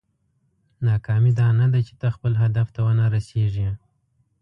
ناکامي دا نه ده چې ته خپل هدف ته ونه رسېږې.